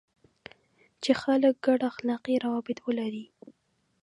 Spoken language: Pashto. چې خلک ګډ اخلاقي روابط ولري.